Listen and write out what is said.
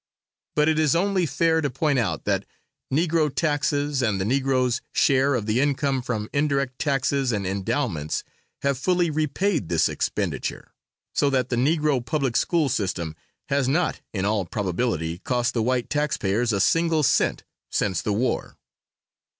But it is only fair to point out that Negro taxes and the Negroes' share of the income from indirect taxes and endowments have fully repaid this expenditure, so that the Negro public school system has not in all probability cost the white taxpayers a single cent since the war.